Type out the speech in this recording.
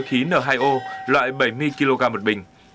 khí n hai o loại bảy mươi kg một bình